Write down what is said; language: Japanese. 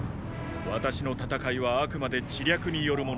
私の戦いはあくまで知略によるものです。